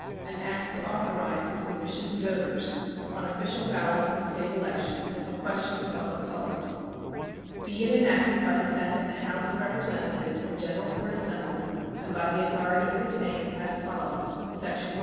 AN ACT TO AUTHORIZE THE SUBMISSION TO VOTERS, ON OFFICIAL BAL LOTS AT STATE ELECTIONS, OF QUESTIONS OF PUBLIC POLICY. Be it enacted by the senate and house of representatives in general court assembled, and by the authority of the same, as follows: Section 1.